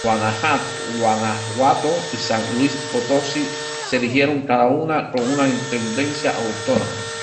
Guanajuato y San Luis Potosí se erigieron cada una con una intendencia autónoma.